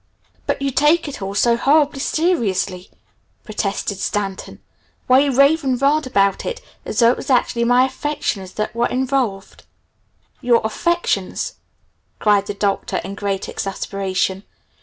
"But you take it all so horribly seriously," protested Stanton. "Why you rave and rant about it as though it was actually my affections that were involved!" "Your affections?" cried the Doctor in great exasperation.